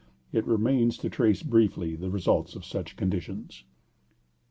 It remains to trace briefly the results of such conditions.